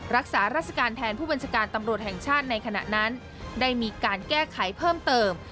รักษาราชการแทนผู้บัญชาการตำรวจแห่งชาติในขณะนั้นได้มีการแก้ไขเพิ่มเติม